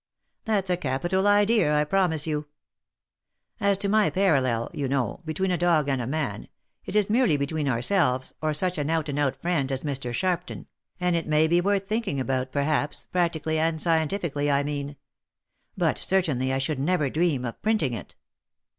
That's a capital idea, I promise 122 THE LIFE AND ADVENTURES you. As to my parallel, you know, between a dog and a man, it is merely between ourselves, or such an out and out friend as Mr. Sharpton, and it may be worth thinking about, perhaps, practically and scientifically, I mean ; but certainly I should never dream of printing it.